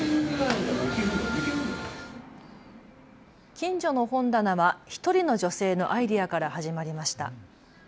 近所の本棚は１人の女性のアイデアから始まりました。